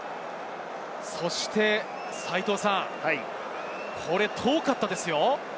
そして、斉藤さん、これ遠かったですよ。